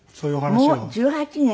もう１８年？